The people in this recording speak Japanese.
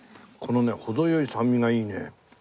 このねほどよい酸味がいいね。